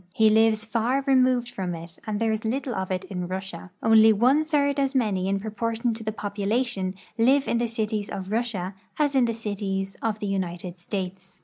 He lives far removed from it, and there is little of it in Russia. Only one third as many in proportion to population live in the cities of Russia as in the cities of the United States.